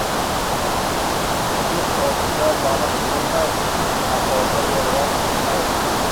• Quduq ostida baliq bo‘lmaydi, maqolda yolg‘on bo‘lmaydi.